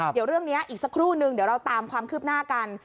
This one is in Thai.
เดี๋ยวเรื่องนี้อีกสักครู่นึงเดี๋ยวเราตามความคืบหน้ากัน